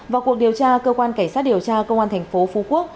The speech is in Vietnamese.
vào cuộc điều tra cơ quan cảnh sát điều tra công an thành phố phú quốc